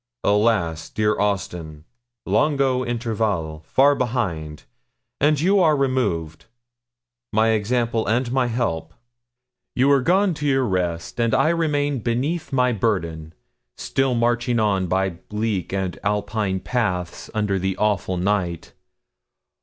Alas! dear Austin, longo intervalle, far behind! and you are removed my example and my help; you are gone to your rest, and I remain beneath my burden, still marching on by bleak and alpine paths, under the awful night.